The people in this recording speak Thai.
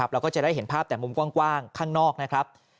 เราก็จะได้เห็นภาพแต่มุมกว้างข้างนอกนะครับ